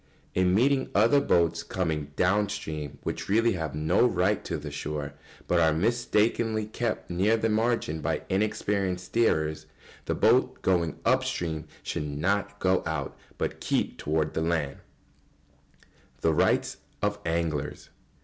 ] In meeting other boats coming downstream which really have no right to the shore, but are mistakenly kept near the margin by inexperienced steerers, the boat going up stream should not go out, but keep towards the land. [Sidenote: The rights of anglers.